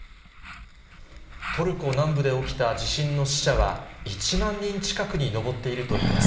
トルコ南部で起きた地震の死者は、１万人近くに上っているといいます。